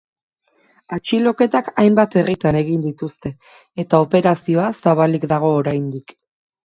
Atxiloketak hainbat herritan egin dituzte, eta operazioa zabalik dago oraindik.